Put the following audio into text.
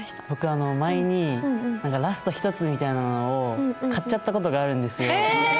僕あの前に「ラスト１つ」みたいなのを買っちゃった事があるんですよ。え！